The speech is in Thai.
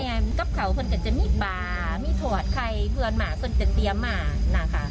กับเขาเพื่อนก็จะมีบาร์มีถวดใครเพื่อนมาเพื่อนจะเตรียมมานะคะ